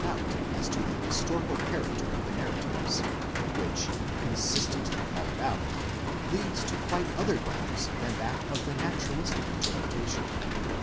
doubt as to the historical character of the narratives, which, consistently followed out, leads to quite other ground than that of the naturalistic inter pretation.